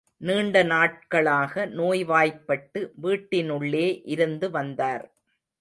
நீண்ட நாட்களாக நோய்வாய்ப்பட்டு வீட்டினுள்ளே இருந்து வந்தார்.